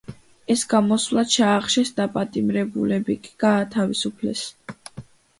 ეს გამოსვლა ჩაახშეს, დაპატიმრებულები კი გაათავისუფლეს.